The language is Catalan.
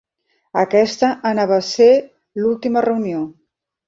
Aquesta anava a ser l'última reunió.